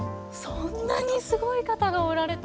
そんなにすごい方がおられたんですね。